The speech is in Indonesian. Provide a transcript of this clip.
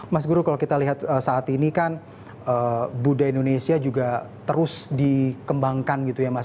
mas guru kalau kita lihat saat ini kan budaya indonesia juga terus dikembangkan gitu ya mas